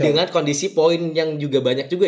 dengan kondisi poin yang juga banyak juga